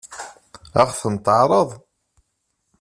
Ad ɣ-ten-teɛṛeḍ?